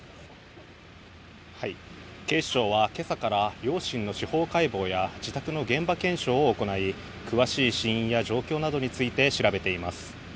警視庁は今朝から両親の司法解剖や自宅の現場検証を行い詳しい死因や状況などについて調べています。